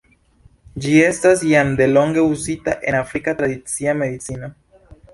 Ĝi estas jam delonge uzita en afrika tradicia medicino.